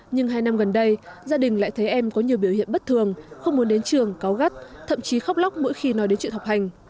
nhưng hai năm gần đây gia đình lại thấy em có nhiều biểu hiện bất thường không muốn đến trường có gắt thậm chí khóc lóc mỗi khi nói đến chuyện học hành